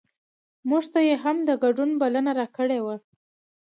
مونږ ته یې هم د ګډون بلنه راکړې وه.